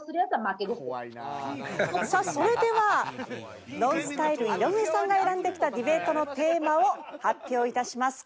さあそれではＮＯＮＳＴＹＬＥ井上さんが選んできたディベートのテーマを発表いたします。